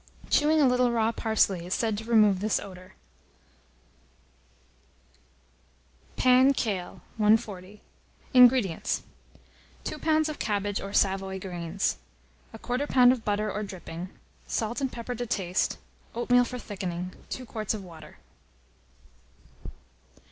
Chewing a little raw parsley is said to remove this odour. PAN KAIL. 140. INGREDIENTS. 2 lbs. of cabbage, or Savoy greens; 1/4 lb. of butter or dripping, salt and pepper to taste, oatmeal for thickening, 2 quarts of water.